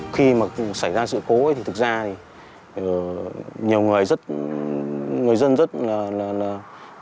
khi mà xảy ra sự cố thì thực ra nhiều người dân rất là gọi là không an minh